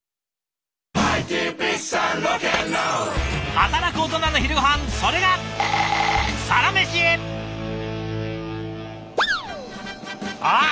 働くオトナの昼ごはんそれがあっ